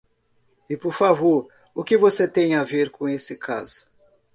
E, por favor, o que você tem a ver com este caso?